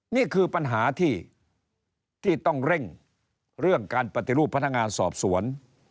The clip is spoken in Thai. นี่คือปัญหาที่ต้องเร่งเรื่องการปฏิรูปพนักงานสอบสวน